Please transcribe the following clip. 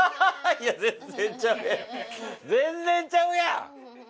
いや全然ちゃうやん。